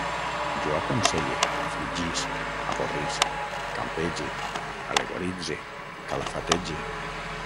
Jo aconselle, afligisc, avorrisc, campege, al·legoritze, calafatege